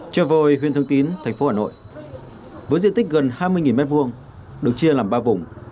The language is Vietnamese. chợ vồi huyện thường tín thành phố hà nội với diện tích gần hai mươi m hai được chia làm ba vùng